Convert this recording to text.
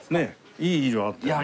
いい色あってね。